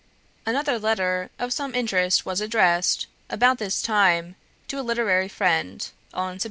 Another letter of some interest was addressed, about this time, to a literary friend, on Sept.